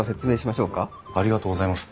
ありがとうございます。